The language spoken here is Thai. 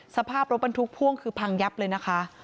สภาพรถบรรทุกพ่วงคือพังยับเลยนะคะ